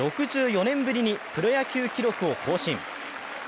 ６４年ぶりにプロ野球記録を更新。